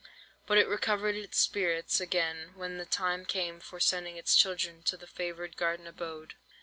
But it recovered its spirits again when the time came for sending its children to the favoured garden abode.